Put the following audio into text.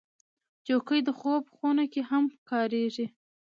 چوکۍ د خوب خونه کې هم کارېږي.